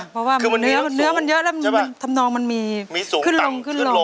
เพราะว่าเนื้อมันเยอะทำนองมันมีขึ้นลง